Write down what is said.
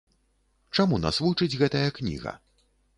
Чаму нас вучыць гэтая кніга?